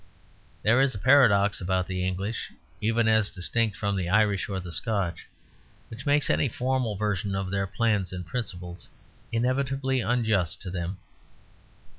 There is a paradox about the English, even as distinct from the Irish or the Scotch, which makes any formal version of their plans and principles inevitably unjust to them.